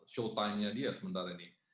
show time nya dia sementara ini